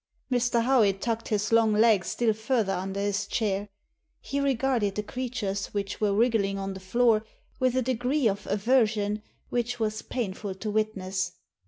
Mr. Howitt tucked his long legs still further under his chair. He regarded the creatures which were wriggling on the floor with a degree of aversion which was painful to witness.